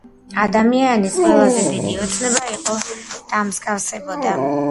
ადამიანის ყველაზე დიდი ოცნება იყო, დამსგავსებოდა